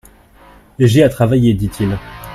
J'ai à travailler, dit-il.